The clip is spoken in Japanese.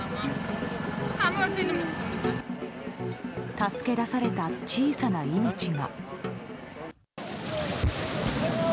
助け出された小さな命が。